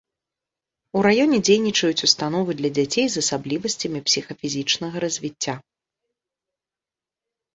У раёне дзейнічаюць установы для дзяцей з асаблівасцямі псіхафізічнага развіцця.